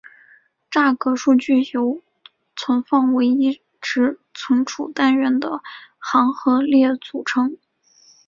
栅格数据由存放唯一值存储单元的行和列组成。